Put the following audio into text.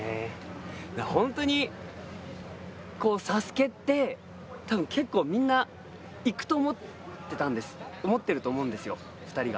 本当にＳＡＳＵＫＥって、多分、結構みんないくと思っていると思うんですよ、２人は。